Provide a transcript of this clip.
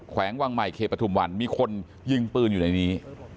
วงวังใหม่เขตปฐุมวันมีคนยิงปืนอยู่ในนี้